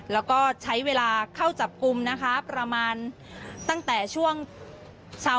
และก็ใช้เวลาเข้าจับกุมนะคะประมาณตั้งแต่ช่วงเช้ามืดที่ผ่านมา